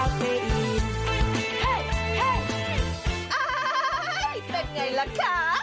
อ้าวเป็นอย่างไรล่ะคะ